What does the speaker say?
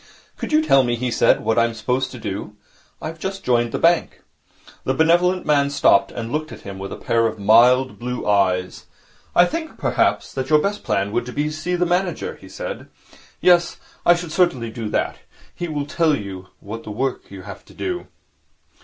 'Could you tell me,' he said, 'what I'm supposed to do? I've just joined the bank.' The benevolent man stopped, and looked at him with a pair of mild blue eyes. 'I think, perhaps, that your best plan would be to see the manager,' he said. 'Yes, I should certainly do that. He will tell you what work you have to do.